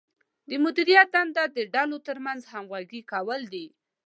د مدیریت دنده د ډلو ترمنځ همغږي کول دي.